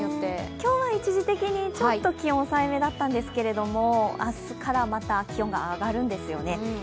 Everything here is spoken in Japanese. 今日は一時的にちょっと気温抑えめだったんですけれども、明日からまた気温が上がるんですよね。